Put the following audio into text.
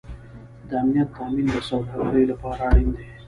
د امنیت تامین د سوداګرۍ لپاره اړین دی